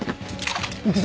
行くぞ！